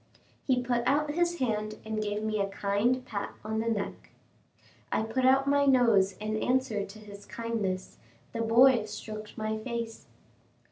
He put out his hand and gave me a kind pat on the neck. I put out my nose in answer to his kindness; the boy stroked my face.